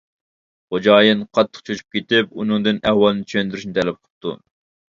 خوجايىن قاتتىق چۆچۈپ كېتىپ، ئۇنىڭدىن ئەھۋالنى چۈشەندۈرۈشنى تەلەپ قىپتۇ.